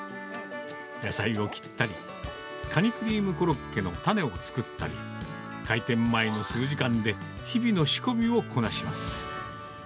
野菜を切ったり、カニクリームコロッケのたねを作ったり、開店前の数時間で日々の仕込みをこなします。